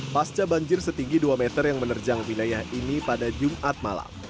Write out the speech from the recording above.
pasca banjir setinggi dua meter yang menerjang wilayah ini pada jumat malam